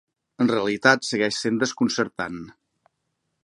En realitat, segueix sent desconcertant.